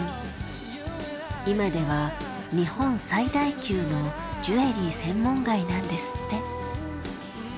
今では日本最大級のジュエリー専門街なんですって。